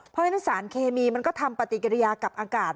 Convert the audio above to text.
เพราะฉะนั้นสารเคมีมันก็ทำปฏิกิริยากับอากาศ